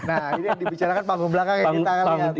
nah ini yang dibicarakan panggung belakang yang kita lihat